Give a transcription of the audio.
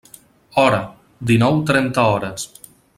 Hora: dinou trenta hores.